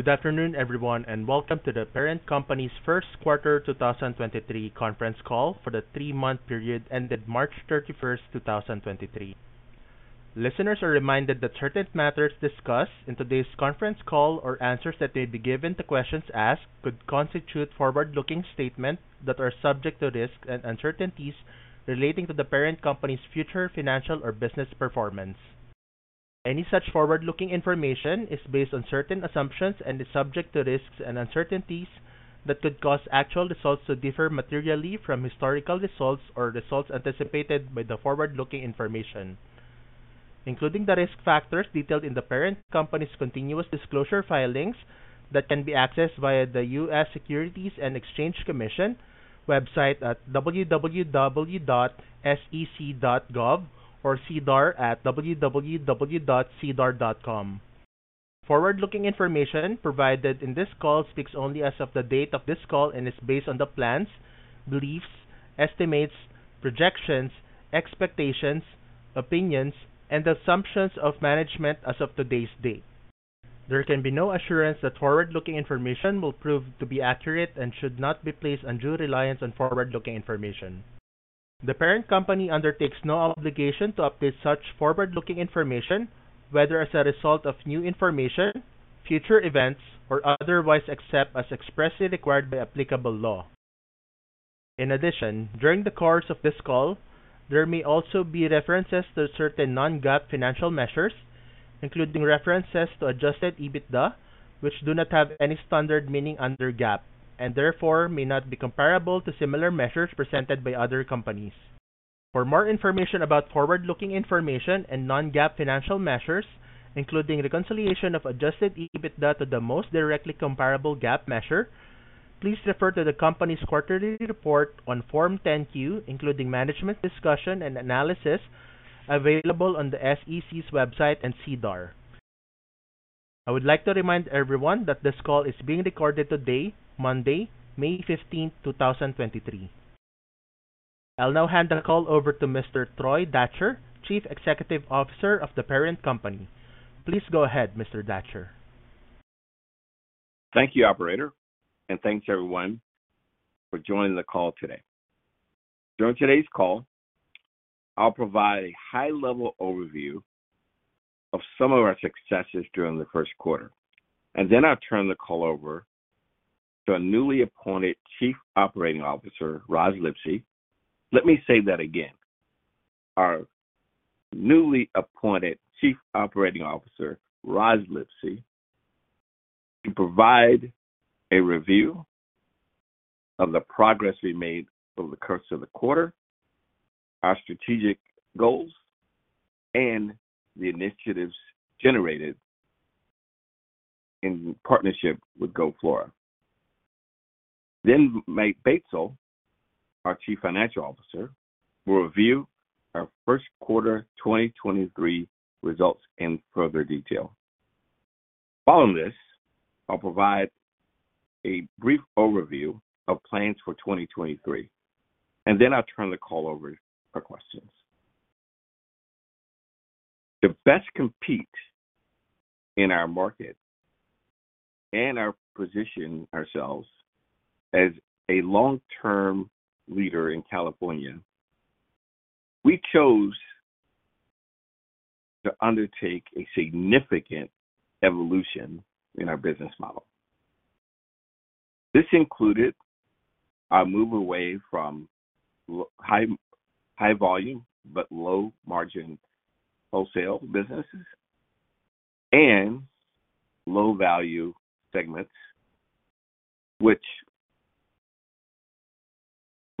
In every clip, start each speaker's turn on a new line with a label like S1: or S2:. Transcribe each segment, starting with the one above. S1: Good afternoon, everyone. Welcome to The Parent Company's first quarter 2023 conference call for the 3-month period ended March 31st, 2023. Listeners are reminded that certain matters discussed in today's conference call or answers that may be given to questions asked could constitute forward-looking statements that are subject to risks and uncertainties relating to The Parent Company's future financial or business performance. Any such forward-looking information is based on certain assumptions and is subject to risks and uncertainties that could cause actual results to differ materially from historical results or results anticipated by the forward-looking information, including the risk factors detailed in The Parent Company's continuous disclosure filings that can be accessed via the U.S. Securities and Exchange Commission website at www.sec.gov or SEDAR at www.sedar.com. Forward-looking information provided in this call speaks only as of the date of this call and is based on the plans, beliefs, estimates, projections, expectations, opinions, and assumptions of management as of today's date. There can be no assurance that forward-looking information will prove to be accurate and should not be placed on due reliance on forward-looking information. The Parent Company undertakes no obligation to update such forward-looking information, whether as a result of new information, future events, or otherwise, except as expressly required by applicable law. During the course of this call, there may also be references to certain non-GAAP financial measures, including references to Adjusted EBITDA, which do not have any standard meaning under GAAP and therefore may not be comparable to similar measures presented by other companies. For more information about forward-looking information and non-GAAP financial measures, including reconciliation of Adjusted EBITDA to the most directly comparable GAAP measure, please refer to the company's quarterly report on Form 10-Q, including management's discussion and analysis available on the SEC's website and SEDAR. I would like to remind everyone that this call is being recorded today, Monday, May 15th, 2023. I'll now hand the call over to Mr. Troy Datcher, Chief Executive Officer of The Parent Company. Please go ahead, Mr. Datcher.
S2: Thank you, operator. Thanks everyone for joining the call today. During today's call, I'll provide a high-level overview of some of our successes during the first quarter. Then I'll turn the call over to our newly appointed Chief Operating Officer, Rozlyn Lipsey. Let me say that again. Our newly appointed Chief Operating Officer, Rozlyn Lipsey, to provide a review of the progress we made over the course of the quarter, our strategic goals, and the initiatives generated in partnership with Gold Flora. Mike Batesole, our Chief Financial Officer, will review our first quarter 2023 results in further detail. Following this, I'll provide a brief overview of plans for 2023. Then I'll turn the call over for questions. To best compete in our market and our position ourselves as a long-term leader in California, we chose to undertake a significant evolution in our business model. This included our move away from high volume, but low margin wholesale businesses and low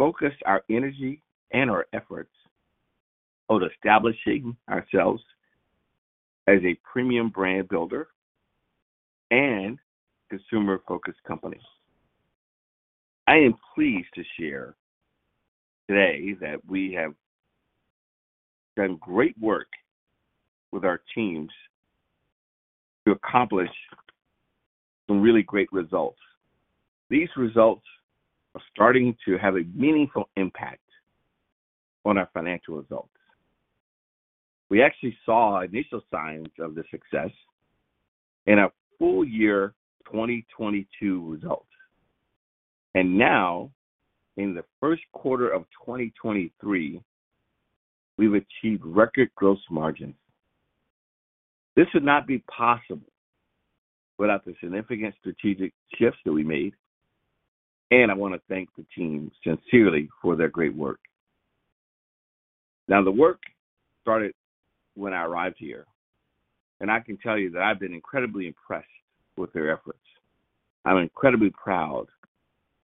S2: value segments, which focus our energy and our efforts on establishing ourselves as a premium brand builder and consumer-focused company. I am pleased to share today that we have done great work with our teams to accomplish some really great results. These results are starting to have a meaningful impact on our financial results. We actually saw initial signs of this success in our full year 2022 results. Now, in the first quarter of 2023, we've achieved record gross margins. This would not be possible without the significant strategic shifts that we made, and I wanna thank the teams sincerely for their great work. The work started when I arrived here, and I can tell you that I've been incredibly impressed with their efforts. I'm incredibly proud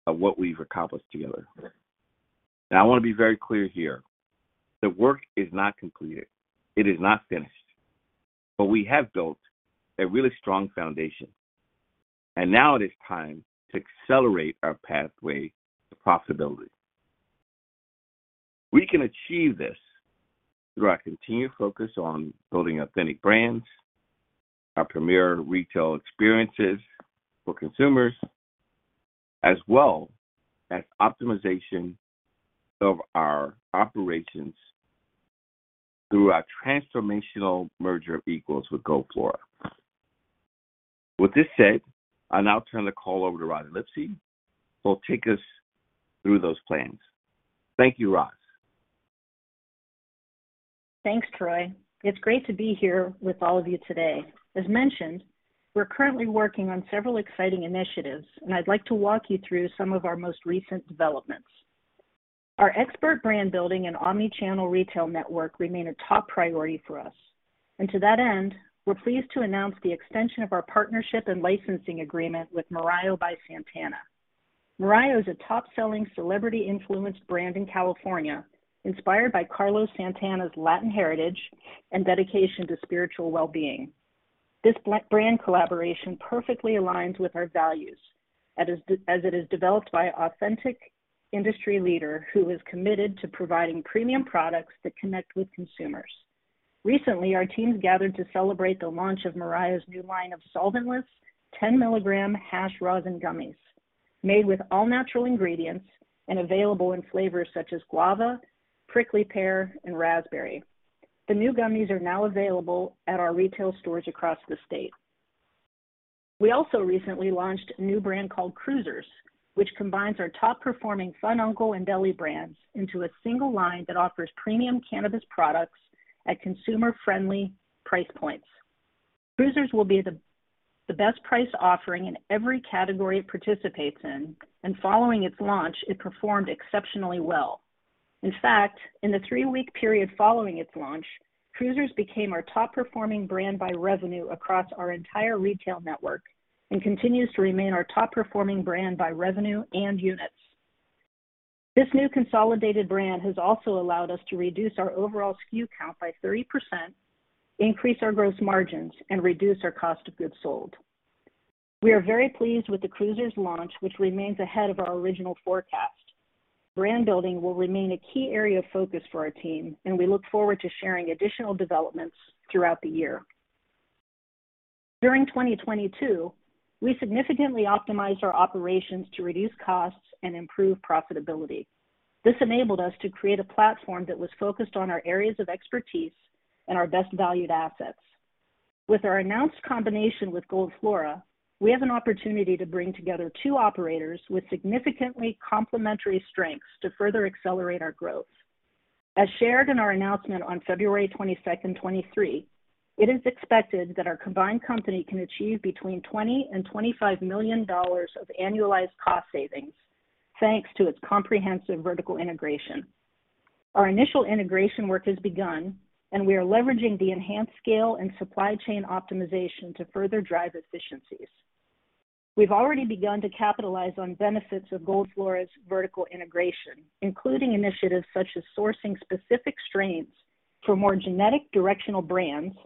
S2: of what we've accomplished together. I wanna be very clear here. The work is not completed. It is not finished. We have built a really strong foundation, and now it is time to accelerate our pathway to profitability. We can achieve this through our continued focus on building authentic brands, our premier retail experiences for consumers, as well as optimization of our operations through our transformational merger of equals with Gold Flora. With this said, I'll now turn the call over to Roz Lipsey, who will take us through those plans. Thank you, Roz.
S3: Thanks, Troy. It's great to be here with all of you today. As mentioned, we're currently working on several exciting initiatives, and I'd like to walk you through some of our most recent developments. Our expert brand building and omnichannel retail network remain a top priority for us. To that end, we're pleased to announce the extension of our partnership and licensing agreement with Mirayo by Santana. Mirayo is a top-selling celebrity influenced brand in California, inspired by Carlos Santana's Latin heritage and dedication to spiritual well-being. This brand collaboration perfectly aligns with our values, as it is developed by authentic industry leader who is committed to providing premium products that connect with consumers. Recently, our teams gathered to celebrate the launch of Mirayo's new line of solvent-less 10-milligram hash rosin gummies, made with all-natural ingredients and available in flavors such as guava, prickly pear, and raspberry. The new gummies are now available at our retail stores across the state. We also recently launched a new brand called Cruisers, which combines our top-performing Fun Uncle and DELI brands into a single line that offers premium cannabis products at consumer-friendly price points. Cruisers will be the best price offering in every category it participates in. Following its launch, it performed exceptionally well. In fact, in the 3-week period following its launch, Cruisers became our top-performing brand by revenue across our entire retail network. Continues to remain our top-performing brand by revenue and units. This new consolidated brand has also allowed us to reduce our overall SKU count by 30%, increase our gross margins, and reduce our cost of goods sold. We are very pleased with the Cruisers launch, which remains ahead of our original forecast. Brand building will remain a key area of focus for our team, and we look forward to sharing additional developments throughout the year. During 2022, we significantly optimized our operations to reduce costs and improve profitability. This enabled us to create a platform that was focused on our areas of expertise and our best valued assets. With our announced combination with Gold Flora, we have an opportunity to bring together two operators with significantly complementary strengths to further accelerate our growth. As shared in our announcement on February 22, 2023, it is expected that our combined company can achieve between $20 million and $25 million of annualized cost savings, thanks to its comprehensive vertical integration. Our initial integration work has begun, and we are leveraging the enhanced scale and supply chain optimization to further drive efficiencies. We've already begun to capitalize on benefits of Gold Flora's vertical integration, including initiatives such as sourcing specific strains for more genetic directional brands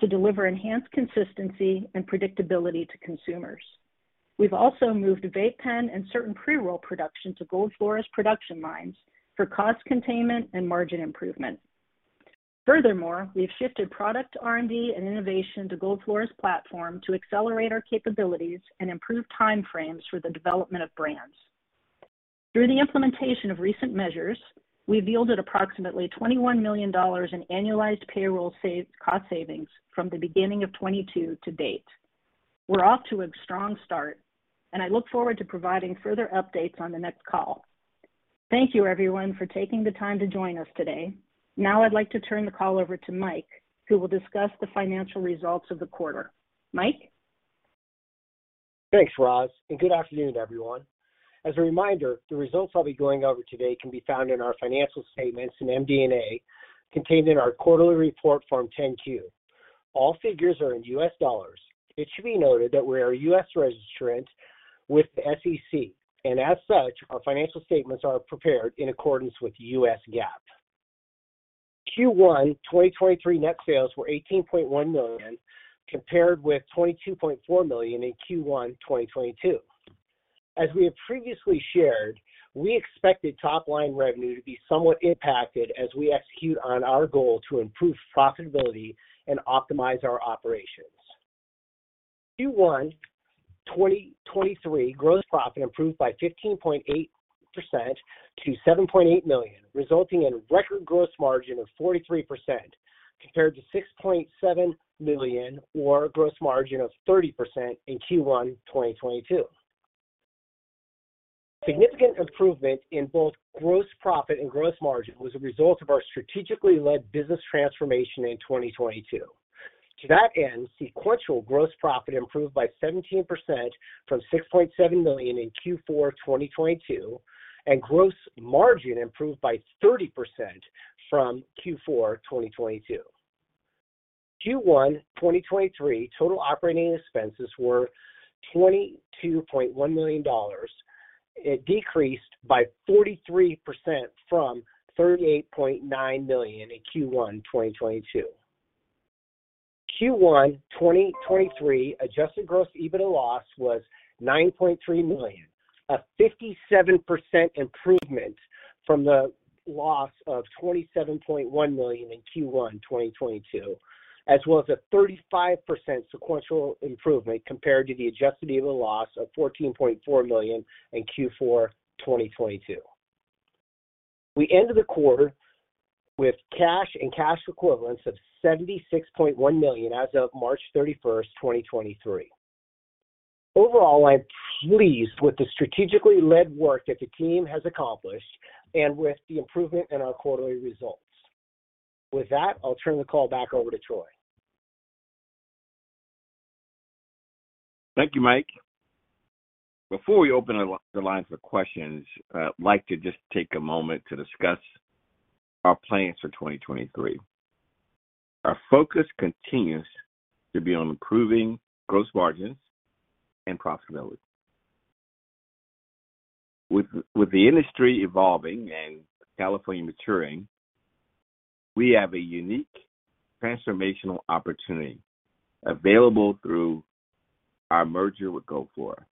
S3: to deliver enhanced consistency and predictability to consumers. We've also moved vape pen and certain pre-roll production to Gold Flora's production lines for cost containment and margin improvement. We have shifted product R&D and innovation to Gold Flora's platform to accelerate our capabilities and improve time frames for the development of brands. Through the implementation of recent measures, we've yielded approximately $21 million in annualized payroll cost savings from the beginning of 2022 to date. We're off to a strong start, I look forward to providing further updates on the next call. Thank you, everyone, for taking the time to join us today. Now I'd like to turn the call over to Mike, who will discuss the financial results of the quarter. Mike?
S4: Thanks, Roz. Good afternoon, everyone. As a reminder, the results I'll be going over today can be found in our financial statements and MD&A contained in our quarterly report Form 10-Q. All figures are in U.S. dollars. It should be noted that we are a U.S. registrant with the SEC, and as such, our financial statements are prepared in accordance with U.S. GAAP. Q1 2023 net sales were $18.1 million, compared with $22.4 million in Q1 2022. As we have previously shared, we expected top-line revenue to be somewhat impacted as we execute on our goal to improve profitability and optimize our operations. Q1 2023 gross profit improved by 15.8% to $7.8 million, resulting in a record gross margin of 43% compared to $6.7 million or a gross margin of 30% in Q1 2022. Significant improvement in both gross profit and gross margin was a result of our strategically led business transformation in 2022. To that end, sequential gross profit improved by 17% from $6.7 million in Q4 2022, and gross margin improved by 30% from Q4 2022. Q1 2023, total operating expenses were $22.1 million. It decreased by 43% from $38.9 million in Q1 2022. Q1 2023 Adjusted Gross EBITDA loss was $9.3 million, a 57% improvement from the loss of $27.1 million in Q1 2022, as well as a 35% sequential improvement compared to the Adjusted EBITDA loss of $14.4 million in Q4 2022. We ended the quarter with cash and cash equivalents of $76.1 million as of March 31, 2023. Overall, I'm pleased with the strategically led work that the team has accomplished and with the improvement in our quarterly results. With that, I'll turn the call back over to Troy.
S2: Thank you, Mike. Before we open it up the lines for questions, I'd like to just take a moment to discuss our plans for 2023. Our focus continues to be on improving gross margins and profitability. With the industry evolving and California maturing, we have a unique transformational opportunity available through our merger with Gold Flora.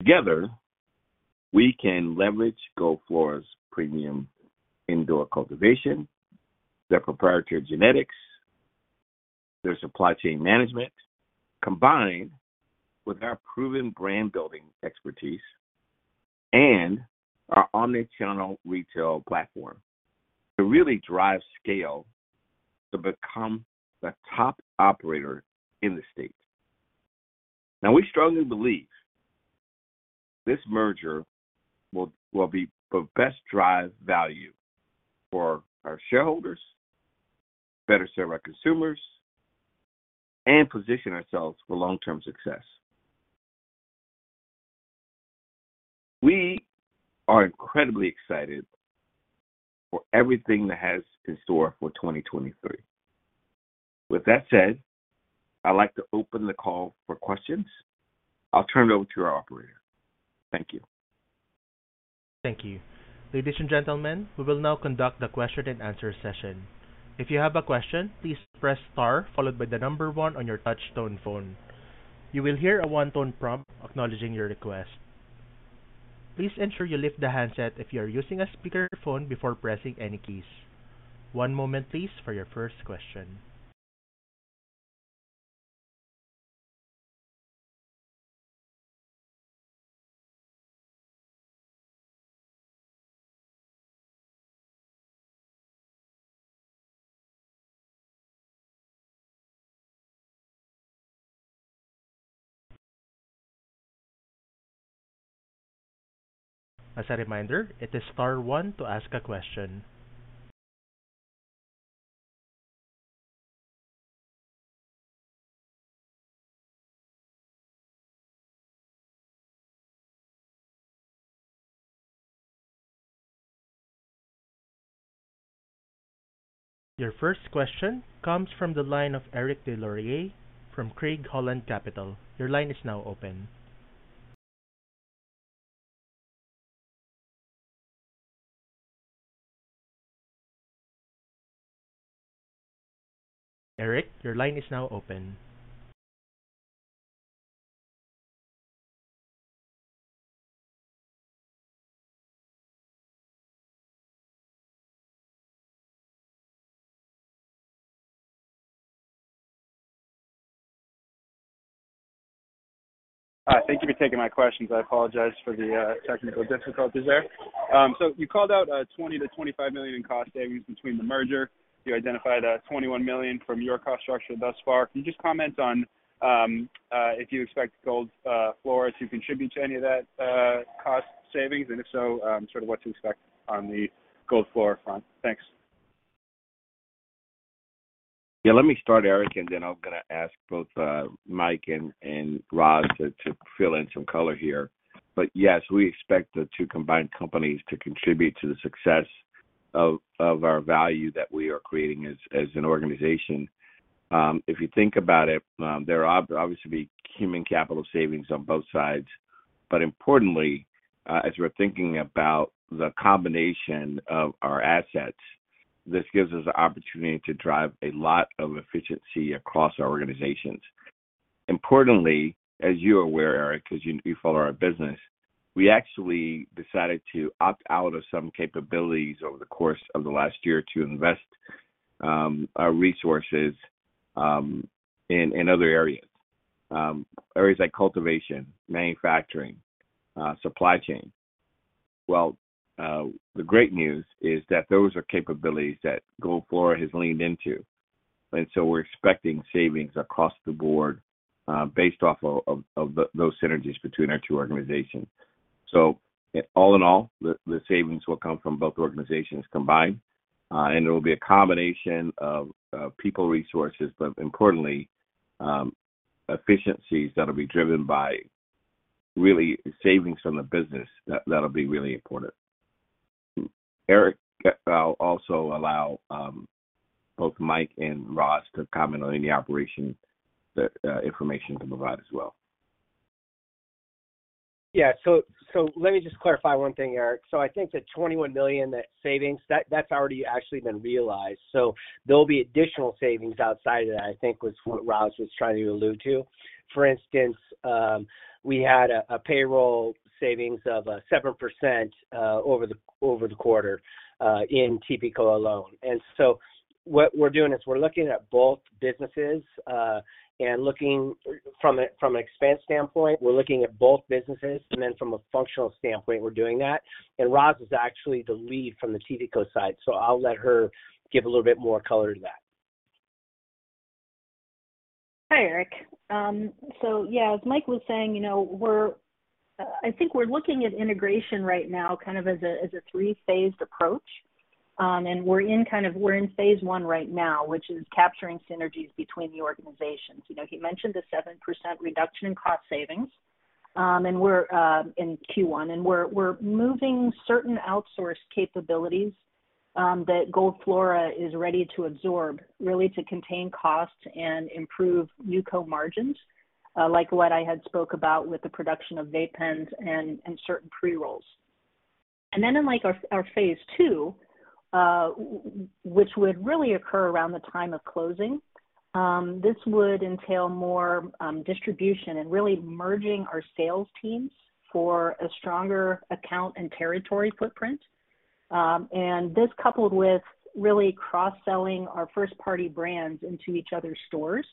S2: Together, we can leverage Gold Flora's premium indoor cultivation, their proprietary genetics, their supply chain management, combined with our proven brand-building expertise and our omnichannel retail platform to really drive scale to become the top operator in the state. We strongly believe this merger will be the best drive value for our shareholders, better serve our consumers, and position ourselves for long-term success. We are incredibly excited for everything that has in store for 2023. With that said, I'd like to open the call for questions. I'll turn it over to our Operator. Thank you.
S1: Thank you. Ladies and gentlemen, we will now conduct the question and answer session. If you have a question, please press star followed by 1 on your touch tone phone. You will hear a 1-tone prompt acknowledging your request. Please ensure you lift the handset if you are using a speakerphone before pressing any keys. 1 moment please for your first question. As a reminder, it is star 1 to ask a question. Your first question comes from the line of Eric Des Lauriers from Craig-Hallum Capital. Your line is now open. Eric, your line is now open.
S5: Thank you for taking my questions. I apologize for the technical difficulties there. You called out $20 million-$25 million in cost savings between the merger. You identified $21 million from your cost structure thus far. Can you just comment on if you expect Gold Flora to contribute to any of that cost savings, and if so, sort of what to expect on the Gold Flora front? Thanks.
S2: Yeah. Let me start, Eric, then I'm gonna ask both Mike and Roz to fill in some color here. Yes, we expect the two combined companies to contribute to the success of our value that we are creating as an organization. If you think about it, there are obviously human capital savings on both sides. Importantly, as we're thinking about the combination of our assets, this gives us the opportunity to drive a lot of efficiency across our organizations. Importantly, as you are aware, Eric, because you follow our business, we actually decided to opt out of some capabilities over the course of the last year to invest our resources in other areas. Areas like cultivation, manufacturing, supply chain. Well, the great news is that those are capabilities that Gold Flora has leaned into, we're expecting savings across the board, based off of those synergies between our two organizations. In all, the savings will come from both organizations combined, and it will be a combination of people, resources, but importantly, efficiencies that'll be driven by really savings from the business that'll be really important. Eric, I'll also allow both Mike and Roz to comment on any operation information to provide as well.
S4: Let me just clarify one thing, Eric. I think the $21 million that savings, that's already actually been realized. There'll be additional savings outside of that, I think was what Roz was trying to allude to. For instance, we had a payroll savings of 7% over the over the quarter in TPCO alone. What we're doing is we're looking at both businesses and looking from an expense standpoint, we're looking at both businesses, and then from a functional standpoint, we're doing that. Roz is actually the lead from the TPCO side, so I'll let her give a little bit more color to that.
S3: Hi, Eric. Yeah, as Mike was saying, you know, we're, I think we're looking at integration right now kind of as a, as a 3-phased approach. We're in phase 1 right now, which is capturing synergies between the organizations. You know, he mentioned the 7% reduction in cost savings. We're in Q1. We're moving certain outsourced capabilities that Gold Flora is ready to absorb, really to contain costs and improve NewCo margins, like what I had spoke about with the production of vape pens and certain pre-rolls. Then in, like, our phase 2, which would really occur around the time of closing, this would entail more distribution and really merging our sales teams for a stronger account and territory footprint. This coupled with really cross-selling our first party brands into each other's stores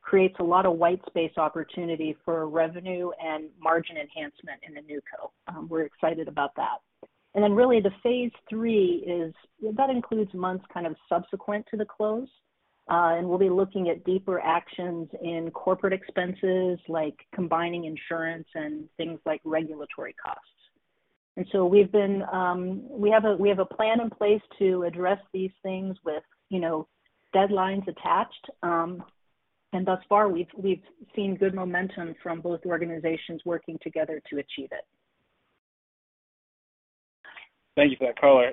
S3: creates a lot of white space opportunity for revenue and margin enhancement in the NewCo. We're excited about that. Really the phase three is. That includes months kind of subsequent to the close. We'll be looking at deeper actions in corporate expenses, like combining insurance and things like regulatory costs. We have a plan in place to address these things with, you know, deadlines attached. Thus far, we've seen good momentum from both organizations working together to achieve it.
S5: Thank you for that color.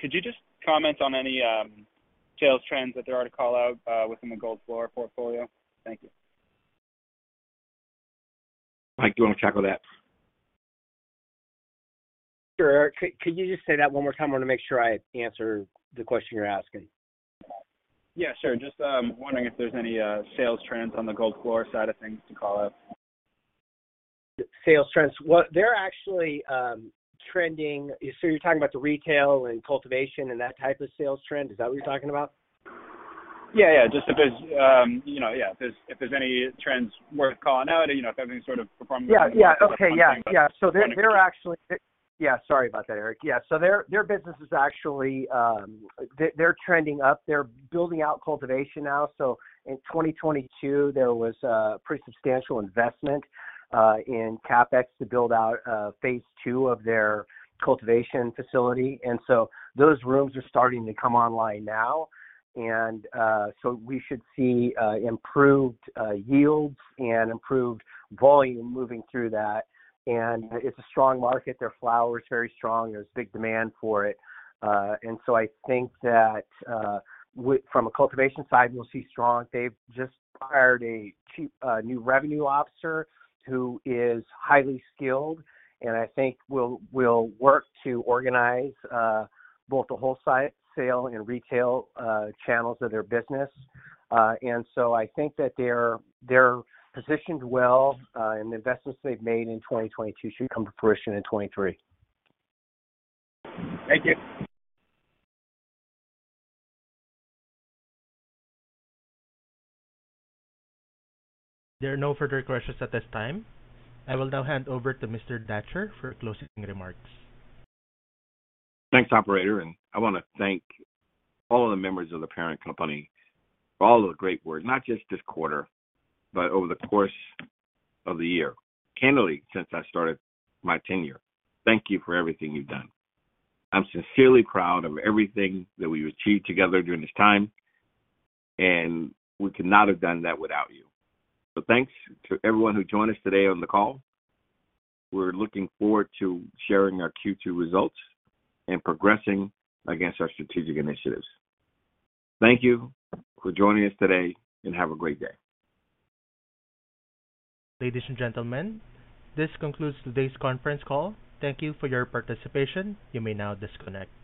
S5: Could you just comment on any sales trends that there are to call out within the Gold Flora portfolio? Thank you.
S2: Mike, do you want to tackle that?
S4: Sure, Eric. Could you just say that one more time? I want to make sure I answer the question you're asking.
S5: Yeah, sure. Just wondering if there's any sales trends on the Gold Flora side of things to call out?
S4: Sales trends. Well, they're actually trending. You're talking about the retail and cultivation and that type of sales trend. Is that what you're talking about?
S5: Yeah, yeah. Just if there's, you know, yeah, if there's any trends worth calling out or, you know, if there's any sort of.
S4: Yeah. Yeah. Okay. Yeah. Yeah. They're actually. Sorry about that, Eric. Their business is actually trending up. They're building out cultivation now. In 2022, there was a pretty substantial investment in CapEx to build out phase two of their cultivation facility. Those rooms are starting to come online now. We should see improved yields and improved volume moving through that. It's a strong market. Their flower is very strong. There's big demand for it. I think that from a cultivation side, we'll see strong. They've just hired a chief new revenue officer who is highly skilled, and I think will work to organize both the wholesale and retail channels of their business. I think that they're positioned well, and the investments they've made in 2022 should come to fruition in 2023.
S5: Thank you.
S1: There are no further questions at this time. I will now hand over to Mr. Datcher for closing remarks.
S2: Thanks, Operator, and I wanna thank all the members of The Parent Company for all the great work, not just this quarter, but over the course of the year. Candidly, since I started my tenure. Thank you for everything you've done. I'm sincerely proud of everything that we've achieved together during this time, and we could not have done that without you. Thanks to everyone who joined us today on the call. We're looking forward to sharing our Q2 results and progressing against our strategic initiatives. Thank you for joining us today, and have a great day.
S1: Ladies and gentlemen, this concludes today's conference call. Thank you for your participation. You may now disconnect.